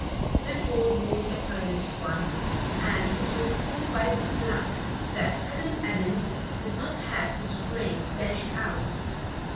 The fall was a perilous one and it was only by good luck that Adam Adams did not have his brains dashed out.